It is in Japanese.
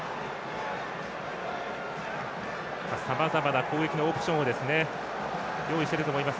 さまざまな攻撃のオプションを用意していると思います。